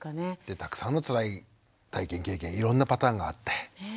たくさんのつらい体験経験いろんなパターンがあって。